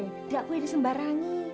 nggak boleh disembarangi